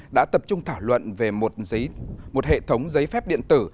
đã tập trung thảo luận về một hệ thống giấy phép điện tử